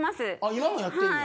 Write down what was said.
今もやってんの？